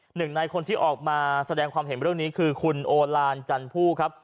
หนึ่งในคนที่ออกมาแสดงความเห็นเรื่องนี้คือคุณโอลานจันผู้ครับ